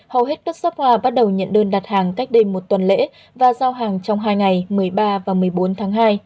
hầu hết các shop hoa bắt đầu nhận đơn đặt hàng cách đây một tuần lễ và giao hàng trong hai ngày một mươi ba và một mươi bốn tháng hai